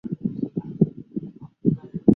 后他与同族朱仰山等迁往天津。